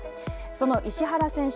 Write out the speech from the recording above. その石原選手